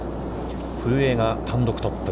古江が単独トップ。